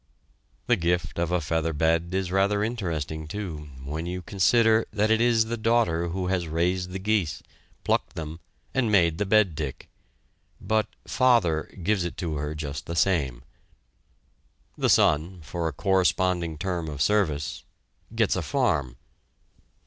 The gift of a feather bed is rather interesting, too, when you consider that it is the daughter who has raised the geese, plucked them, and made the bed tick. But "father" gives it to her just the same. The son, for a corresponding term of service, gets a farm.